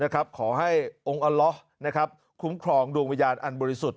ขอให้องค์อัลละคุ้มครองดวงวิญญาณอันบริสุทธิ์